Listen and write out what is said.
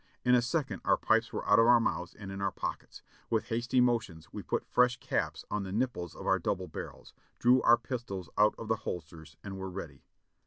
In a second our pipes were out of our mouths and in our pockets. With hasty motions we put fresh caps on the nipples of our double barrels, drew our pistols out of the holsters and were ready.